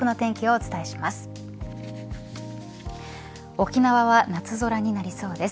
沖縄は夏空になりそうです。